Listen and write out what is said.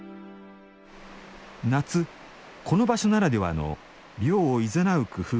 夏この場所ならではの涼をいざなう工夫があります